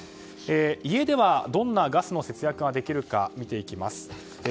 家ではどんなガスの節約ができるか見ていきます。